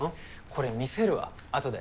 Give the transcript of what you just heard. これ見せるわ後で。